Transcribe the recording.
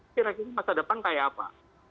kira kira masa depan kayak apa